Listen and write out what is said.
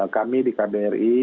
kami di kbri